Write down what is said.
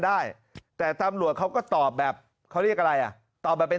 ได้แต่ตำรวจเขาก็ตอบแบบเขาเรียกอะไรอ่ะตอบแบบเป็น